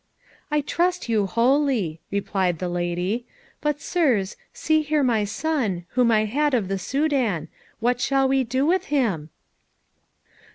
"I trust you wholly," replied the lady; "but, sirs, see here my son, whom I had of the Soudan, what shall we do with him?"